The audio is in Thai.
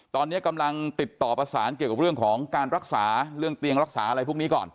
ตอนนี้กำลังติดต่อประสานเกี่ยวกับเรื่องของการรักษาเรื่องเตียงรักษาอะไรพวกนี้ก่อน